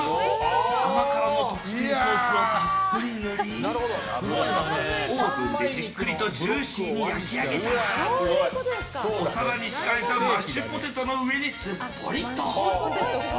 甘辛の特製ソースをたっぷり塗りオーブンでじっくりとジューシーに焼き上げたらお皿に敷かれたマッシュポテトの上にすっぽりと。